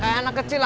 eh anak kecil lah